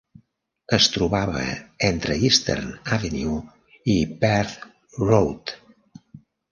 Es trobava entre Eastern Avenue i Perth Road.